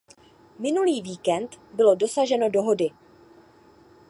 Minulý víkend bylo dosaženo dohody.